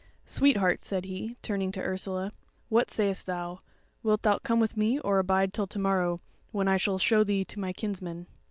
Sweetheart," said he, turning to Ursula, "what sayest thou: wilt thou come with me, or abide till to morrow, when I shall show thee to my kinsmen?"